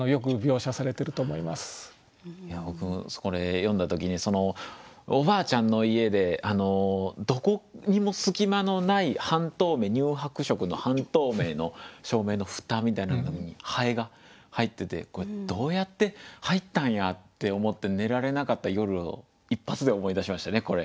僕これ読んだ時におばあちゃんの家でどこにも隙間のない乳白色の半透明の照明の蓋みたいなのに蠅が入ってて「どうやって入ったんや」って思って寝られなかった夜を一発で思い出しましたねこれ。